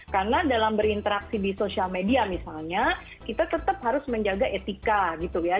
karena dalam berinteraksi di sosial media misalnya kita tetap harus menjaga etika gitu ya